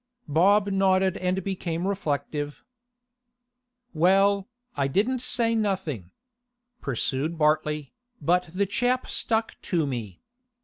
Bob nodded and became reflective. 'Well, I didn't say nothing,' pursued Bartley, 'but the chap stuck to me.